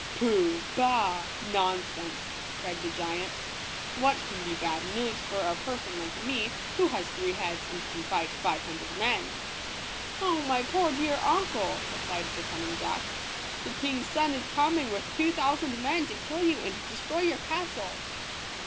Pooh !— bah !— nonsense," cried the giant; "what can be bad news for a person like me, who has three heads and can fight five hun dred men?" "Oh, my poor dear uncle!" replied the cun ning Jack " the King's son is coming, with two thousand men, to kill you and destroy your castle